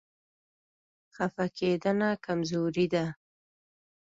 خفه کېدنه کمزوري ده.